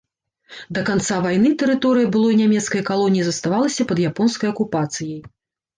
Да канца вайны тэрыторыя былой нямецкай калоніі заставалася пад японскай акупацыяй.